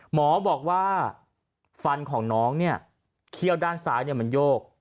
หมอบอกว่าฟันของน้องเนี่ยเขี้ยวด้านซ้ายมันโยก